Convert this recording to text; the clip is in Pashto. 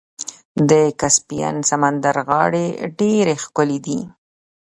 د کسپین سمندر غاړې ډیرې ښکلې دي.